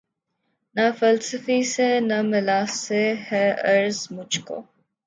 نہ فلسفی سے نہ ملا سے ہے غرض مجھ کو